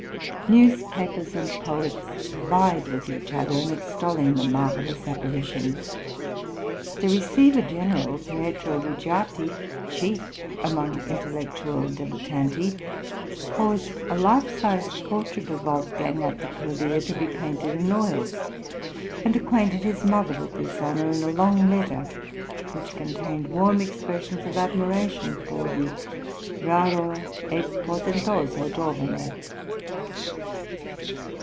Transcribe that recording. Newspapers and poets vied with each other in extolling the marvellous apparition. The Receiver General, Pietro Lugiati, chief among intellectual dilettanti, caused a life size portrait of Wolfgang at the clavier to be painted in oils, and acquainted his mother with this honour in a long letter which contained warm expressions of admiration for the "raro e portentoso giovane."